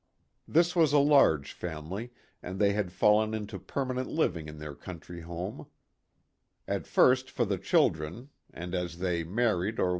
This was a large family and they had fallen into permanent living in their country home ; at first for the children, and as they married or PLAY AND WORK.